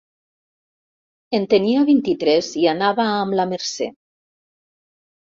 En tenia vint-i-tres i anava amb la Mercè.